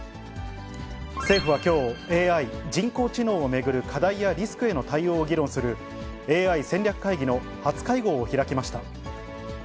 政府はきょう、ＡＩ・人工知能を巡る課題やリスクへの対応を議論する、ＡＩ戦略会議の初会合を開きました。